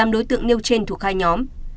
một mươi tám đối tượng nêu trên thuộc hai nhóm